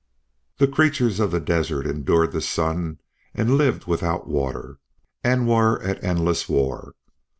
The creatures of the desert endured the sun and lived without water, and were at endless war.